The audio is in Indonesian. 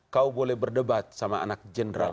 kau boleh berdebat sama anak general